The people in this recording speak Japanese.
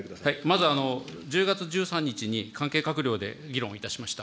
まず１０月１３日に関係閣僚で議論をいたしました。